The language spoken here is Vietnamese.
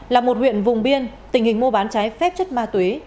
là một huyện vùng biên tình hình mua bán trái phép chất ma túy